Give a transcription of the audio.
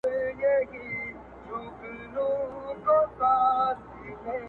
ه ياره ځوانيمرگ شې مړ شې لولپه شې~